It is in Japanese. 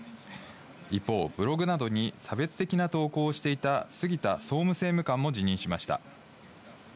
一方、ブログなどに差別的な投稿をしていた杉田総務政務官も辞任しました。